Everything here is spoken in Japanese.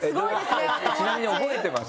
ちなみに覚えてます？